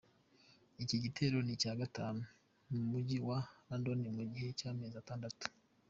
Iki gitero ni icya gatanu mu mujyi wa London mu gihe cy’amezi atandatu.